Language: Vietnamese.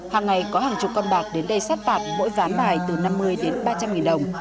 hàng ngày có hàng chục con bạc đến đây sát tạp mỗi ván bài từ năm mươi đến ba trăm linh nghìn đồng